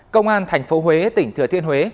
công an thành phố huế tỉnh thừa thiên huế